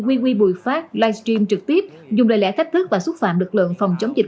wewe bùi phát livestream trực tiếp dùng lời lẽ thách thức và xúc phạm lực lượng phòng chống dịch